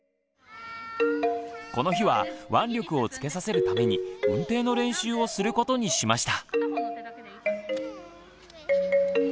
この日は腕力をつけさせるためにうんていの練習をすることにしました。